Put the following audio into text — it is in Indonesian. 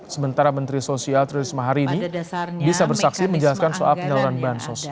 sementara menteri sosial trilisma harini bisa bersaksi menjelaskan soal penyeluruhan bansos